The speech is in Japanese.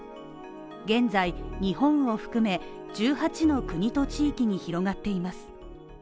現在、日本を含め１８の国と地域に広がっています。